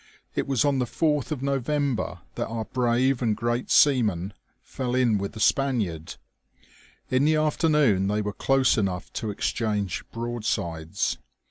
It was on the 4fch of November that our brave and great seaman fell in with the Spaniard. In the afternoon they were close enough to exchange broadsides.